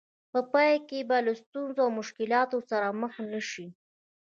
په پای کې به له ستونزو او مشکلاتو سره مخ نه شئ.